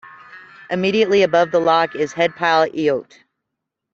Immediately above the lock is Headpile Eyot.